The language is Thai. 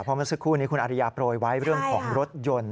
เพราะเมื่อสักครู่นี้คุณอริยาโปรยไว้เรื่องของรถยนต์